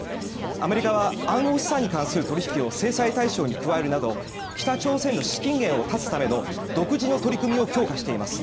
アメリカは暗号資産に関する取引を制裁対象に加えるなど北朝鮮の資金源を断つための独自の取り組みを強化しています。